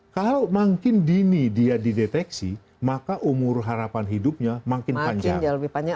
kalau makin dini dia dideteksi maka umur harapan hidupnya makin panjang